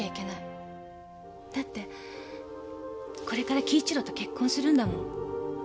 だってこれから輝一郎と結婚するんだもん。